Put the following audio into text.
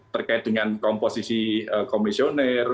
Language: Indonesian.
terkait dengan komposisi komisioner